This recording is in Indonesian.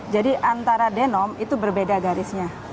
jadi antara denom itu berbeda garisnya